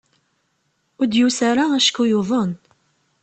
Ur d-yusi ara acku yuḍen.